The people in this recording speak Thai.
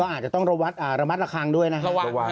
อาจจะต้องระมัดระวังด้วยนะครับ